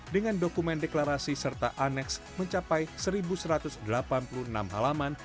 dengan dokumen deklarasi serta aneks mencapai satu satu ratus delapan puluh enam halaman